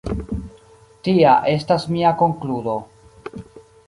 Tia estas mia konkludo.